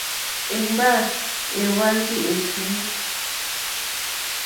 Èmgbâ èhwánjì ètùú.